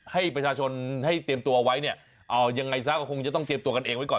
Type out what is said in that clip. ให้ประชาชนให้เตรียมตัวไว้เนี่ยเอายังไงซะก็คงจะต้องเตรียมตัวกันเองไว้ก่อน